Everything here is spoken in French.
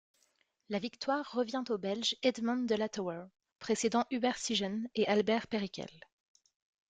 La victoire revient au Belge Edmond Delathouwer, précédant Hubert Sijen et Albert Perikel.